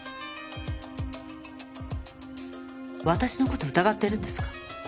私の事疑ってるんですか？